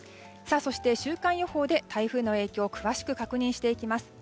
そして、週間予報で台風の影響を詳しく確認します。